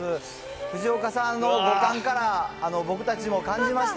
藤岡さんの五感から僕たちも感じました。